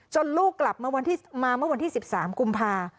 จนลูกกลับมาเมื่อวันที่๑๓กุมภาพันธ์